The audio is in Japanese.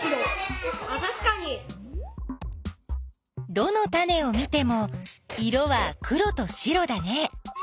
どのタネを見ても色は黒と白だね。